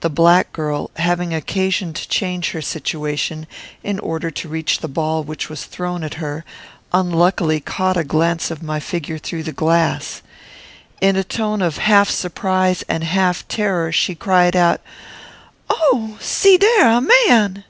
The black girl, having occasion to change her situation, in order to reach the ball which was thrown at her, unluckily caught a glance of my figure through the glass. In a tone of half surprise and half terror, she cried out, "Oh! see dare! a man!"